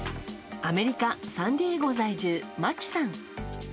アメリカ・サンディエゴ在住真紀さん。